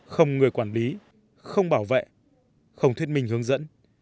không người quản lý không bảo vệ không thuyết minh hướng dẫn